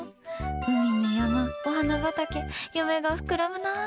海に山、お花畑、夢が膨らむな。